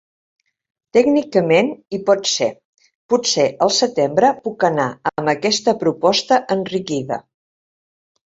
Tècnicament hi pot ser, potser al setembre puc anar amb aquesta proposta enriquida.